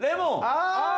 ◆ああ！